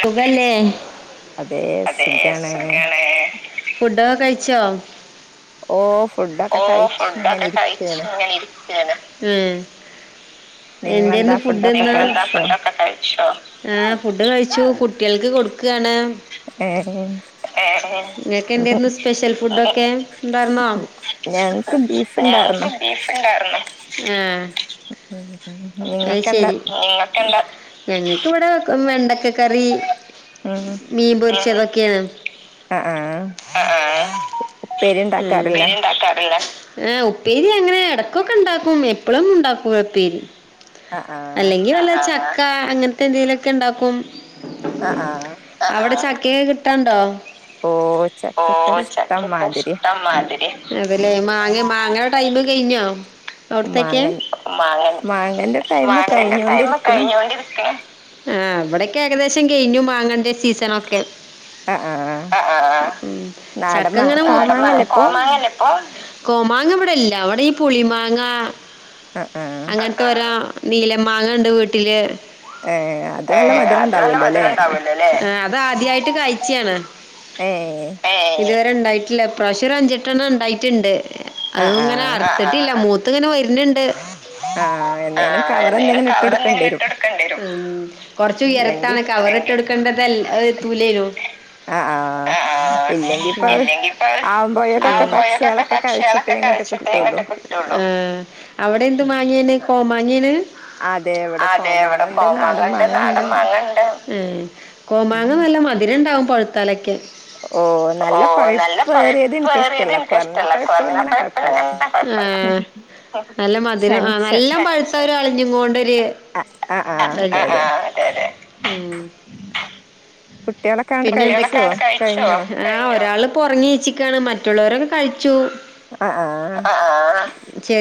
സുഖല്ലേ ഫുഡ് ഒക്കെ കഴി ച്ചോ ഓ ഫുഡൊക്കെ കഴിച്ച് ഇങ്ങനെ ഇരിക്കാണ്, നിങ്ങളെന്താ ഫുഡൊക്കെ കഴിച്ചോ? ച്ചു കുട്ടികൾക്ക് കൊടുക്കാണ് ഇങ്ങൾക്ക് എന്തേരുന്നു സ്പെഷ്യൽ ഫുഡൊക്കെ ഇണ്ടാർന്നോ? ആഹ് [unintelligible] അത് ശരി, ഞങ്ങൾക്കിവിടെ വെണ്ടക്ക കറി മീൻ പൊരിച്ചതൊ ക്കെയാണ് ആ ആഹ് ഉപ്പേരി ഉണ്ടാക്കാറില്ലേ ഏ ഉപ്പേരി അങ്ങനെ എടക്കൊക്കെ ഉണ്ടാക്കും എപ്പളും ഉണ്ടാക്കൂല ഉപ്പേരി അല്ലെങ്കി വെല്ല ചക് ക്ക അങ്ങനത്തെ എന്തേലൊക്കെ ഇണ്ടാക്കും അഹ് ആഹ് ക്കേ കിട്ടാണ്ടോ ഓ ചക്കൊക്കെ ഇഷ്ടം മാതിരി അതേല്ലേ മാങ്ങ മാങ്ങടെ ടൈമ് കഴിഞ്ഞോ അവിടത്തെയൊക്കെ മാങ്ങേന്റെ ടൈമ് കഴിഞ്ഞോണ്ടിരിക്കിണ് ആ ഇവിടൊക്കെ ഏകദേശം കയിഞ്ഞു മാങ്ങൻ്റെ സീസണൊക്കെ ഉം ചക്കങ്ങനെ മു കോമാങ്ങ ഇവടെ ഇല്ല അവടെ ഈ പുളിമാങ്ങ അഹ് അങ്ങനത്തെ ഓരോ നീലൻ മാങ്ങ ഇണ്ട് വീട്ടില് ആഹ് അത് ആദ്യായിട്ട് കായ്ച്ചതാണ് ഇതുവ ഇണ്ടായിട്ടില്ല ഇപ്രാവശ്യം ഒരു അഞ്ചെട്ടെണ്ണം ഇണ്ടായി ട്ടിണ്ട് അതങ്ങനെ അർത്തിട്ടില്ല മൂ ത്തിങ്ങനെ വരണിണ്ട് ഉം കൊറച്ചുയരത്താണ് കവറിട്ടൊടുക്കണ്ടതല്ല എഹ് എത്തൂലേനു. അ ആ ഇല്ലെങ്കി ഇപ്പ ആവുമ്പോയൊക്കെ പക്ഷികളൊക്കെ കഴിച്ചിട്ട് എങ്ങോട്ടൊക്കെ ഇട്ടോളും ആ അവിടെ എ ന്ത് മാങ്ങേൺ കൊമാൻങ്ങേൻ ഏഹ് കോമങ്ങ നല്ല മധുരം ഉണ്ടാവും പഴത്താല്ലക്കെ ഓ നല്ല പഴപ്പ് ഏറിയത് എനിക്കിഷ്ടല്ല കൊറഞ്ഞ പഴപ്പല്ലാം ഏഹ് നല്ല മത് നല്ല പഴുത്തര് അളഞ്ഞോണ്ടൊരു ഉം പിന്നെ ആ ഒരാള് പൊറങ്ങിച്ചിക്കാണ് മ മറ്റുള്ളവരൊക്കെ കഴിച്ചു ആഹ് ആഹ് ഹ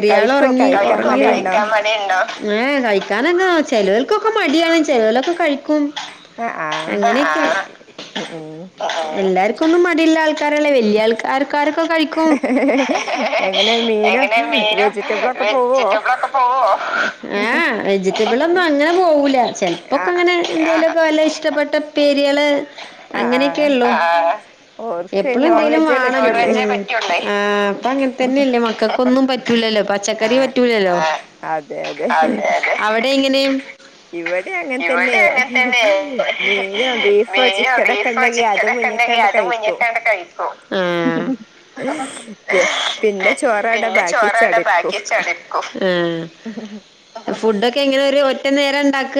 കഴിക്കോ കഴിക്കാ മ കഴിക്കാൻ മടി ഉണ്ടാവും ഏഹ് കഴിക്കാനങ്ങാ ചെലവൾക്കൊക്കെ മടിയാണ് ചെലവലൊക്കെ കഴിക്കും അങ്ങനെയൊക്കെ എല്ലാർ കൊന്നുംമടില്ല ആൾക്കാരല്ല വല്ലൃൾക്കാർക്കാർ എങ്ങനെ മീന വെജിറ്റബിളൊക്കെ പോവു വെജിറ്റബിളൊക്കെ പോകോ? ഏ വെജിറ്റബിളൊന്നുംങ്ങനെ പോകൂല ചെലപ്പൊക്കങ്ങനെ എന്തേലൊക്കെവല്ലെഷ്ട്ട ട്ട പ്പേരിയള് അങ്ങനെക്കെയൊള്ളൂ എപ്പളന്തെലുംവാണം മ് ആ അപ്പൊ അങ്ങൻതന്നെല്ലേ മക്കൾക്കൊന്നും പറ്റ റ്റൂലല്ലോ പച്ചക്കറി പ റ്റൂലല്ലോ അവിടെങ്ങനെ ഇവിടെ അങ്ങനെ തന്നെ മീനോ ബീഫോ ചിക്കനൊക്കെ ഉണ്ടെങ്കി അത് മഞ്ഞിക്കാണ്ട കഴിക്കും പിന്നെ ചോറടെ ബാക്കി ചടക്കും ആഹ് ഫുഡൊക്കെ എങ്ങനെ ഒറ്റ നേരംണ്ടാക്ക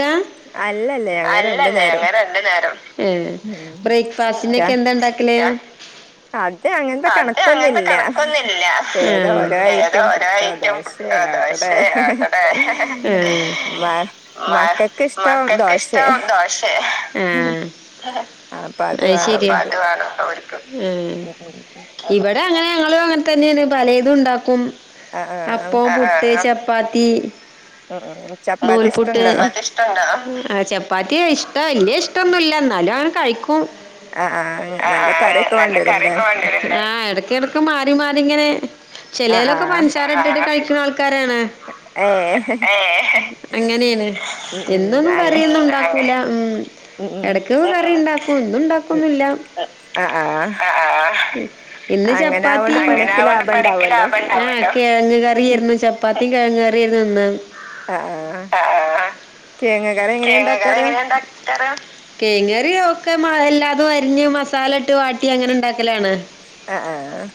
ബ്രക്ഫാസ്റ്റിനക്കെ എന്താ ഉണ്ടാക്കല്ല് അത് അങ്ങനത്തെ കണക്കൊന്നുന്നില്ല ഏതോ ഓരോ ഐറ്റം പുട്ടോ അതോ പക്ഷെ ദോശ അടെ മ മക്കൾക്ക് ഇഷ്ടമാ ദോശ ശരി അണ ഉ ഇവിടെ അപ്പോ അങ്ങനെ ഞങ്ങളും അങ്ങനെ തന്നെയാണ് പല ഇതും ഉണ്ടാക്കും ആ ആ ആ ആ ആ ചപ്പാത്തി നൂൽപുട്ട് ആ ചപ്പാത്തിയ ഇഷ്ട വല്യ ഇഷ്ടൊന്നുല്ല നല്ലോണം കഴിക്കും ആ ഇടക്ക് ഇടക്ക് മാറി മാറി ഇങ്ങനെ ചിലേലൊക്കെ പൻസാരഇട്ടിട്ട് കഴി [unintelligible] കരയണേ അങ്ങനെയാണ് എന്നൊന്നും കരയൊന്നുംണ്ടാക്കൂല ഇടക്ക് കറി ഉണ്ടാക്കും എന്നും ഉണ്ടാക്കോന്നില്ല ഇന്ന് ചപ്പാത്തി ആ കിഴങ്ങ് കറി ഇർന്നു ചപ്പാത്തി കെഴങ്ങ് കറി തിന്നാം ആ ആഹ് കെയങ്ങുകറി ഒക്കെ എല്ലാതും അരിഞ്ഞ് മസാല ഇട്ട് വാട്ടി അങ്ങനെ ഇണ്ടാക്കലാണ് ആ ആ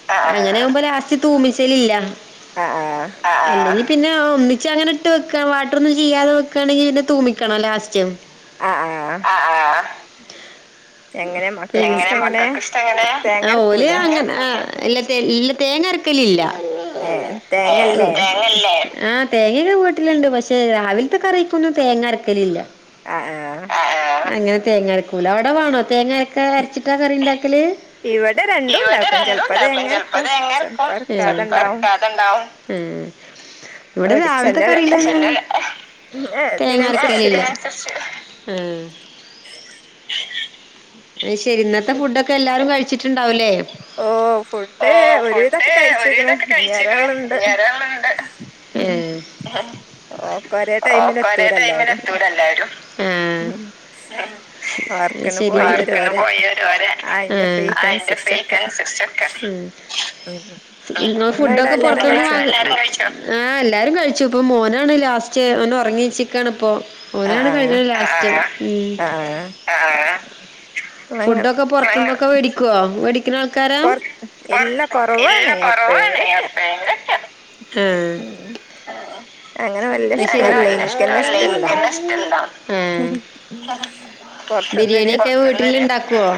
ലാസ്‌റ്റ് തൂമിച്ചലില്ല ആ ആ പിന്നെ ഒന്നിച്ച് അങ്ങനെ ഇട്ട് വെക്കുക വാട്ട് ഒന്നും ചെയാതെ വെക്കുകയാണെങ്കിൽ പിന്നെ തൂമിക്ക ക്കണം ലാസ്റ്റ് ആ ആ അ ഓല് അങ്ങനെ ആ ഇല്ല തേ ഇല്ല തേങ്ങ അരക്കലില്ല ആ തേങ്ങല്ലേ ആ തേങ്ങയൊക്കെ വീട്ടിലുണ്ട് പക്ഷെ രാവിലത്തെ കറിയിക്കെന്നും തേങ്ങര ക്കലില്ല ആ ആ അങ്ങനെ തേങ്ങരക്കൂല അവിടെ വേണോ തേങ്ങ ക്കരച്ചിട്ട കറി ഉണ്ടാക്കല് ഉം ഇവിടെ രാവിലെത്തെ കറി തേങ്ങ [unintelligible] [inaudible] അത് ശരി ന്നത്തെ ഫുഡൊക്കെ എല്ലാവാരും കഴിച്ചിട്ടുണ്ടാവൂലേ ഓ ഫുഡ ഒരുതൊക്കെ കഴിച്ചക്കണ് ഇഞ്ഞരാളുണ്ട് ഓക്ക ഒരേ ടൈമിൽ എത്തൂല ടൈമിന് എത്തൂല എല്ലാരും ഉം അത് ശെരി വർക്കിന് പോയോരോരെ ഉം അയിന്റെ ഫ്രീക് [unintelligible] ഉം നിങ്ങള് ഫുഡൊക്കെ പൊറത്തുന്ന് വാങ്ങി എല്ലാരും കഴിച്ചോ ആ എല്ലാരും കഴി [unintelligible] മോനാണ് ലാസ്റ്റ് ഓന് ഒറങ്ങിച്ച് കാണപ്പോ ഓരാണ് കഴിഞ്ഞത് ലാസ്റ്റ് ഉം ആ ആ [inaudible] ഫുഡ ഒക്കെ പുറത്തുന്ന് ഒക്കെ മേടിക്കുവോ മേടിക് ൾക്കാരാ കൊ ഇല്ല കുറവാണ് എപ്പോഴെങ്കിലൊക്കേ ആ അങ്ങനെ വല്ല ഇഷ്ടമല്ല ഇന് ആ ബിരിയാണിയെക്കെ വീട്ടിൽ ഇണ്ടാക്കുവോ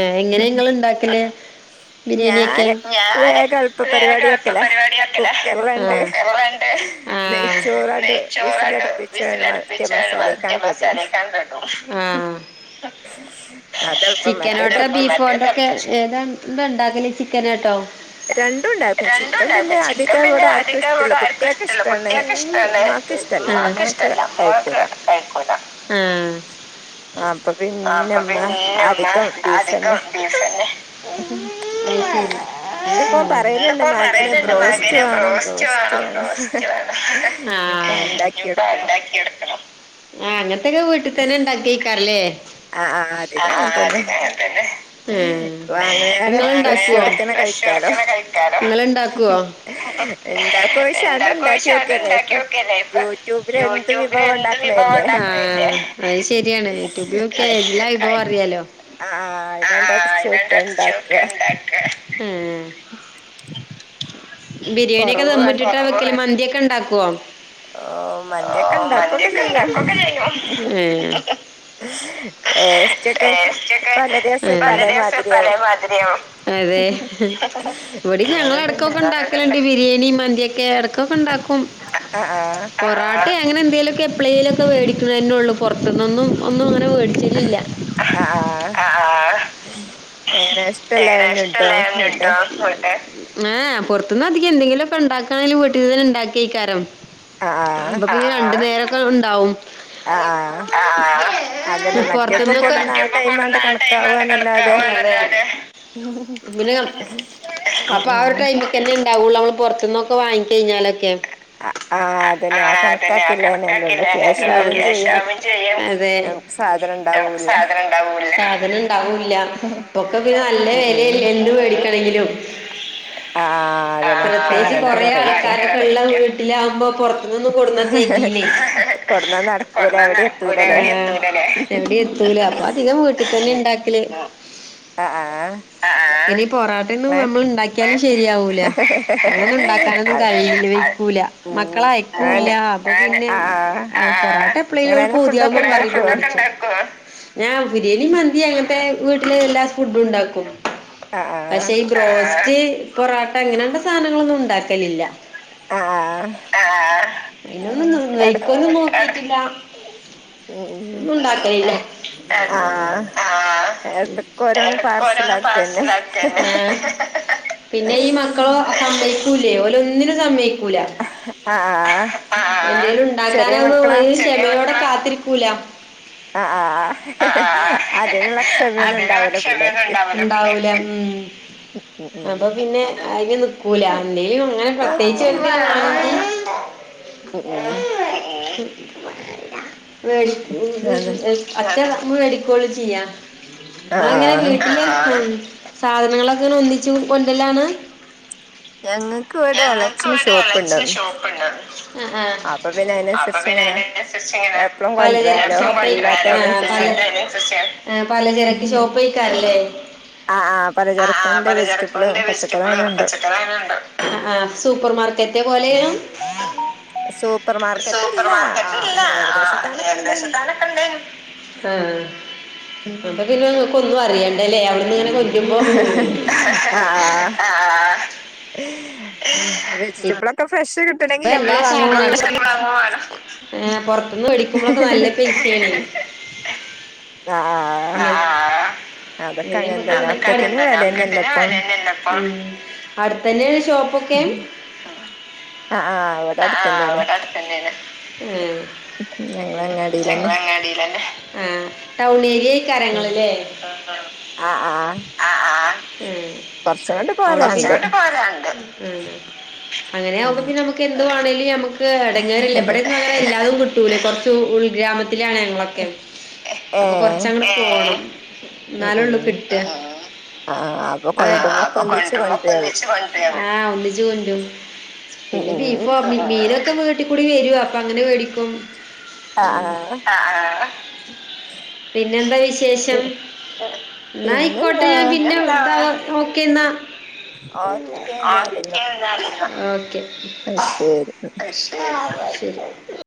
ആഎങ്ങനെയ ഇങ്ങള് ഇണ്ടാക്കല് ബിരിയാണിയെക്കെ ഇപ്പം വേഗം എളുപ്പപരിപാടിയ ആ ആ ആ ചിക്കനോട്ടാ ബീഫോണ്ടെക്കേ ഏതാ ഇത് ഇങ്ങാക്കല് ചിക്ക [unintelligible] രണ്ടൂണ്ടാക്കും ചിക്കൻ പിന്നെ അധി പിന്നെ അധികവ്ടെ ആർക്കും ഇഷ്ടല്ല കുട്ട്യൾക്ക് ഇഷ്ടാണ് ഉമ്മാക്ക് ഇഷ്ടല്ല ഉമ്മാക്ക് കഴിക്കൂല അപ്പൊ പിന്നെമ്മ അധികം ബീഫന്നെ ഇന്ന്പ്പോ പറയ്ണിണ്ട് മകന് ബ്രോസ് കന് ബ്രോസ്റ്റ് വേണം ബ്രോസ്റ്റ് വേണം ആ ഇനീപ്പൊ ഇണ്ടാക്കീയൊട്ക്കണം ആ അങ്ങനത്തെ ഒക്കെ തന്നെ വീട്ടിൽ ഉണ്ടാക്കി വേക്കാറില്ലേ [unintelligible] ആ ആ അധികം അങ്ങനെ തന്നെ ഉം നിങൾ ണ്ടാക്കുവോ കഴിക്കാലോ നിങ്ങള് ഇണ്ടാക്കോ നിങ്ങള് ഇണ്ടാക്കോ ണ്ടാക്ക ച്ചാൽ ഉണ്ടാക്കി നോക്കല്ലേ ഇപ്പൊ യൂട്യൂബില് എന്ത് വിഭവം ഉണ്ടാക്കണല്ലേ യെ എല്ലാ വിഭവം അറിയാലോ ആ ആ [unintelligible] ഇണ്ടാക്കാ ബിരിയാണി ഒക്കെ ദമ്മ്ട്ടിട്ടാ വെക്കല് മന്തിഒക്കെ ക്കെയുണ്ടാക്കോ ഓ മന്തിയൊക്കെ ണ്ടാക്കൊക്കെ ചെയ്യും ടേസ്റ്റ് ഒക്കെ പലദിവസം പലേമാതിരിയാവും അതെ ഇവിടിം ഞങ്ങൾ ഇടക്കൊക്കെ ഇണ്ടാക്ക് [unintelligible] ബിരിയണി മന്തിയൊക് എറക്കൊക്കെ ഉണ്ടാക്കും പൊറാട്ട അങ്ങനെഎന്തെങ്കി എപ്പളെലും വെടിക്കുന്നതെന്നെ ഒള്ളു പൊറത്തിന്നൊന്നും ഒന്നും അങ്ങനെ വേടിച്ചലില്ല. ആഹ് ആ എങ്ങനെ ഇഷ്ടല്ലാഞ്ഞിട്ടോ ഫുഡ്‌ യെ യെ പുറത്ത പുറത്തിന്നതികം എന്തെങ്കിലൊക്കെ ഇണ്ടാക്കാണെങ്കില് വീട്ടിലിന് ഇണ്ടാക്കെക്കാരം അപ്പൊപിന്നെ രണ്ട് നേരം ആഹ് കളുണ്ടാവും ആഹ് ആ പുറത്ത്ന്നൊക്കെ, മറ്റേ ഒക്കെ കൊട്ന്നാ ആ ടൈംആണ്ട് കണക്കാക്കും അതെ അതെ ഇബല് അപ്പൊ ആ ഒരു ടൈംമ് [unintelligible] ഇണ്ടാവൊള്ളൂ നമ്മള് പൊറത്തിന്നൊക്കെ വാങ്ങി കഴിഞ്ഞാലൊക്കെ [unintelligible] ആ ആഹ് അതെഞ്ഞെ ആ കണക്കാക്കില്ലെനൊള്ളു, ക്യാഷ് ആവുകയും ചെയ്യും, അതെ നമുക്ക് സാധനം ഉണ്ടാവുല്യ. സാധനം ഉണ്ടാവുല്യ. ഒക്കെ പിന്നെ നല്ല വെലല്ലേ എല്ലും മേടിക്കണെങ്കില് [inaudible] ആ ആഹ് പ്രത്യേകിച്ച് കൊറേ ആള്ക്കാരൊക്കെ ഉള്ള വീട്ടിൽ. ഇല്ലാവുമ്പം പൊറത്തിനൊന്നും കൊണ്ട്ന്നാ തെകീലയ്, കൊട്ന്നാ നടക്കൂല എവിടിം എത്തൂലല്ലേ, എവിടിം എത്തൂല്ല അപ്പൊ അധികം വീട്ടിൽ തന്നെ ഉണ്ടാക്കല് ആഹ് ആ പൊറാട്ടെന്നും നമ്മള്ണ്ടാക്കിയാലും ശരിയാവൂല അങ്ങന ഉണ്ടാക്കാനൊന്നും കയ്യൂല്ല നിൽക്കൂല മക്കള് അയക്കൂല്ല്യാ ആഹ് ആഹ് അപ്പൊ എപ്പളേലും ഓൽക്ക് പൂതിയാവുമ്പോ ഇണ്ടാക്കും. ബിരിയാണിം മന്തി അങ്ങനത്തെ പിന്നെ എല്ലാ ഫുഡും ഉണ്ടാക്കും. പക്ഷെ ഈ ബ്രോ ഇന്ക് പൊറ അങ്ങനെകണ്ട സാധനങ്ങളൊന്നും ഇണ്ടാക്കലില്ല. ആഹ്, അയിന് [unintelligible] എട ഇല്ലാ ഉം ആ ആ എടക്കരോന്ന് പാർസൽ ആക്കന്നെ. കഴിക്കൂല്ലേ, ഓലൊന്നിനും സമ്മയി ക്കൂല, ആഹ് ആഹ് എന്തേലും ഇണ്ടാക്കാനാവുമ്പോൾ വഴി ചേലോലതിന് കാത്തി ക്കൂല. ആ ആ അങ്ങനെ അക്ഷരങ്ങള് ഇണ്ടാവൂലാ അപ്പോ പിന്നെ അയിന് നിക്കൂല. അല്ലേലും അങ്ങനെ പ്രത്യേകിച്ച് ഒരു കാര്യം [inaudible] മ് മ് [inaudible] [unintelligible] മേടിക്കോളും ചെയ്യാ നിങ്ങളെങ്ങനെ വീട്ടില് സാധനങ്ങളൊക്കെങ്ങനെ ഒന്നിച്ചു കൊണ്ടല്ലാണ്? [inaudible] ഞങ്ങൾക്കിവിടെ എളച്ചന് ഷോപ്പിൻഡ്, ആഹ് അപ്പൊ പിന്നെ അതിനനുസരിച്ചിങ്ങനെ [unintelligible] പലചരക്ക് ഷോപ്പേക്കാരം ലെ ആഹ് ആഹ് പലചരക്കിന്റെ ലിസ്റ്റ് ഫുൾ പച്ചക്കറി പച്ചക്കറി അവിടെ ഇണ്ട്. ആഹ് സൂപ്പർ മാർക്കറ്റ് പോലെയോ, സൂപ്പർ മാർക്കറ്റ് അല്ല ആഹ് ഏകദേശത്താലൊക്കെ ഇണ്ട്. ഹ് അപ്പത്തിന്റെന്നും ഒന്നും അറിയണ്ടല്ലെ അവിടന്ന് ഇങ്ങനെ കൊ [inaudible] ആഹ് ആഹ് ആഹ് [inaudible] വെജിറ്റബിളൊക്കെ ഫ്രഷ് അപ്പ എല്ലാ സാധനങ്ങളും [unintelligible] ഏഹ് പൊറത്തിന്ന് മേടിക്കുമ്പോളൊക്കെ നല്ല പൈസ അല്ലെ ആഹ് ആഹ് ആാാ [inaudible] ഹ്മ് അടുത്തന്നെ ഷോപ്പൊക്കെ ആ ആ ഇവിടെ അടുത്തന്നെണ് ഹ്മ്മ് ഞങ്ങളങ്ങാടിലെന്നെ മ് ടൗണില് ക്കരങ്ങള്ലെ മ് ആഹ് ആ ഉം കൊറച്ചങ്ങട്ട് പോരാന്ണ്ട് അങ്ങനെയാവുമ്പ എന്തുവാണെല് നമുക്ക് ക്ക് എടങ്ങേറില്ല, ഇവിടൊക്കെ ഇങ്ങനെ എല്ലാതും കിട്ടൂല കൊറ ച്ചു ഉൾഗ്രാമ ത്തിലാണ് ഞങ്ങളൊക്കെ, അപ്പൊ കൊറച്ചങ്ങട്ട് പോണം. ന്നാലൊള്ളു കിട്ട, ഹ്മ്മ് ആ അപ്പൊ കൊണ്ടരുമ്പോലൊക്കെ ഒന്നിച്ചു കൊണ്ടരും, ആ ഒന്നിച്ച് കൊണ്ടരും. പിന്നെ ബീഫോ മീ മീന് തൊക്കെ വീട്ടികൂടി വരും അപ്പം അങ്ങനെ വേടിക്കും ഇങ്ങ ആഹ് ആ, പിന്നെന്താ വിശേഷം, ന്നായ്ക്കോട്ടെ ഞാൻ പിന്നെ താവും ഓക്കെ ന്നാ ഓക്കെ എന്നാല് ന്നാ ഓക്കെ. [unintelligible]